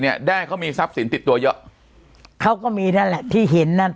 แด้เขามีทรัพย์สินติดตัวเยอะเขาก็มีนั่นแหละที่เห็นนั่น